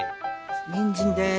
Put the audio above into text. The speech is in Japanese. にんじんです。